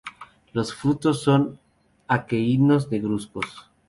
Los frutos son aquenios negruzcos.